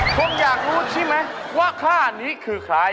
ผมอยากรู้ใช่ไหมว่าค่านี้คือใคร